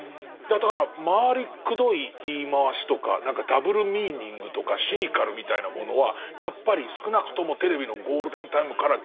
だから回りくどい言い回しとか何かダブルミーニングとかシニカルみたいなものはやっぱり少なくともテレビのゴールデンタイムから消えていきますもんね。